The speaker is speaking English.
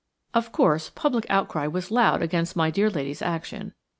Of course, public outcry was loud against my dear lady's action.